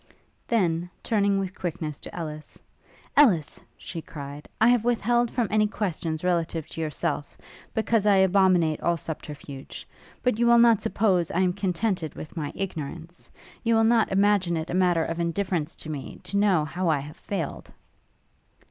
then, turning with quickness to Ellis: 'Ellis,' she cried, 'I have withheld from any questions relative to yourself, because I abominate all subterfuge; but you will not suppose I am contented with my ignorance? You will not imagine it a matter of indifference to me, to know how I have failed?'